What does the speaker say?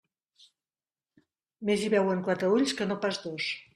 Més hi veuen quatre ulls que no pas dos.